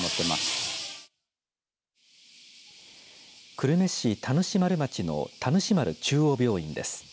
久留米市田主丸町の田主丸中央病院です。